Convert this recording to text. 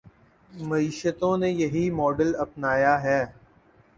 معیشتوں نے یہی ماڈل اپنایا ہے۔